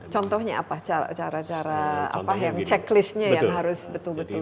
contohnya apa cara cara checklistnya yang harus betul betul